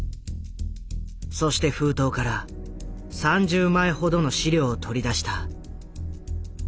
そして封筒から３０枚ほどの資料を取り出した。